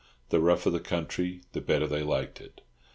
The rougher the country, the better they liked it.